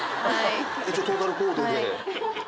一応トータルコーデで？